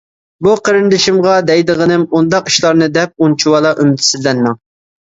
بۇ قېرىندىشىمغا دەيدىغىنىم ئۇنداق ئىشلارنى دەپ ئۇنچىۋالا ئۈمىدسىزلەنمەڭ.